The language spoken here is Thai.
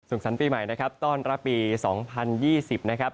สรรค์ปีใหม่นะครับต้อนรับปี๒๐๒๐นะครับ